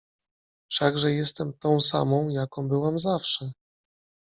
Wszakże jestem tą samą, jaką byłam zawsze.